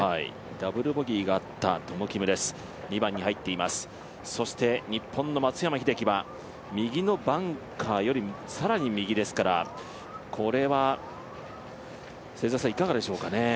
ダブルボギーがあったトム・キムです、２番に入っています、そして日本の松山英樹は右のバンカーより更に右ですからこれはいかがでしょうかね。